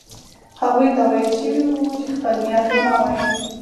هغوی ته ویل شوي وو چې خپل نیت ونه وايي.